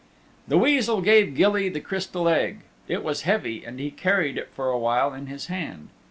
The Weasel gave Gilly the Crystal Egg. It was heavy and he carried it for a while in his hand.